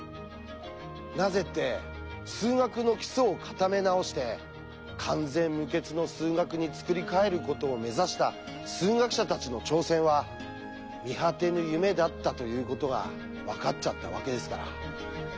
なぜって数学の基礎を固め直して完全無欠の数学に作り替えることを目指した数学者たちの挑戦は見果てぬ夢だったということが分かっちゃったわけですから。